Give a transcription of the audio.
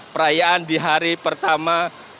perayaan di hari pertama